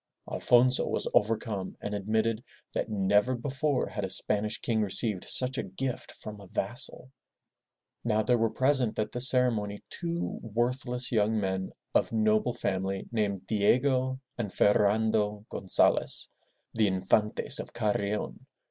Alfonso was overcome and admitted that never before had a Spanish king received such a gift from a vassal. Now there were present at this ceremony two worthless young men of noble family named Di e'go and Fer ran'do Gon za'les, the In fan'tes of Carrion.